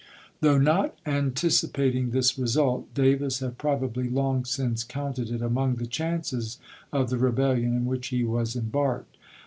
Though not anticipating this result, Davis had probably long since counted it among the chances of the rebellion in which he was embarked.